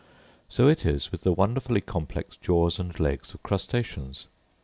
So it is with the wonderfully complex jaws and legs of crustaceans.